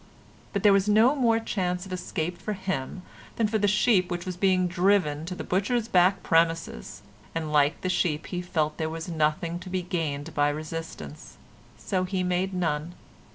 But there was no more chance of escape for him than for the sheep which is being driven to the butcher's back premises, and like the sheep he felt that there was nothing to be gained by resistance, so he made none.